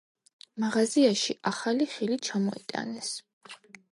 მაღაზიაში ახალი ხილი ჩამოიტანეს.